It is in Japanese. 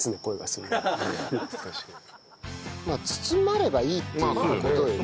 包まればいいっていう事よね？